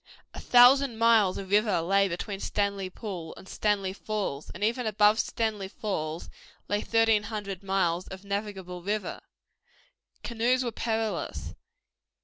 A thousand miles of river lay between Stanley Pool and Stanley Falls, and even above Stanley Falls lay thirteen hundred miles of navigable river. Canoes were perilous.